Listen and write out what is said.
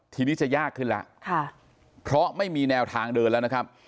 ทีนี้จะยากขึ้นแล้วค่ะเพราะไม่มีแนวทางเดินแล้วนะครับ